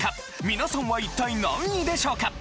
皆さんは一体何位でしょうか？